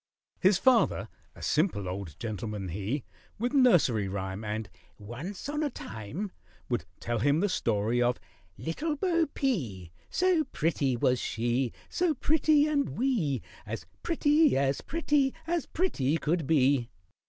His father, a simple old gentleman, he With nursery rhyme And "Once on a time," Would tell him the story of "Little Bo P," "So pretty was she, So pretty and wee, As pretty, as pretty, as pretty could be."